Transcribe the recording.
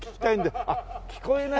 あっ聞こえないからね